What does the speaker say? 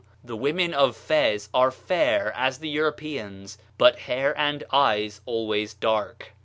The women of Fez are fair as the Europeans, but hair and eyes always dark.